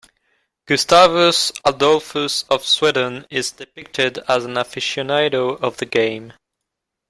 Gustavus Adolphus of Sweden is depicted as an aficionado of the game.